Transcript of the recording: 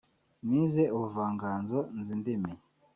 nize ubuvanganzo nzi indimi